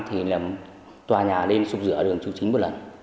thì tòa nhà lên sụp rửa đường trục chính một lần